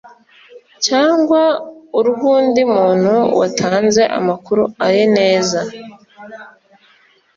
cyangwa urw undi muntu watanze amakuru azi neza